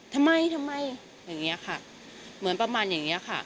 ทำไมทำไมอย่างนี้ค่ะเหมือนประมาณอย่างนี้ค่ะ